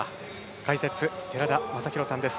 解説、寺田雅裕さんです。